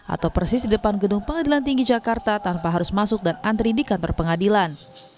atau persis di depan gedung pengadilan tinggi jakarta tanpa harus masuk dan antri di kantor pengadilan